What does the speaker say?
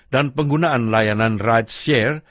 dan penggunaan layanan ride share